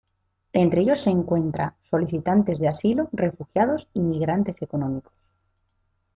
Entre ellos se encuentra solicitantes de asilo, refugiados y migrantes económicos.